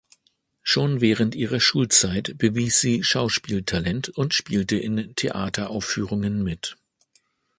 Schon während ihrer Schulzeit bewies sie Schauspieltalent und spielte in Theateraufführungen mit.